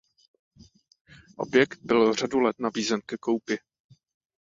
Objekt byl řadu let nabízen ke koupi.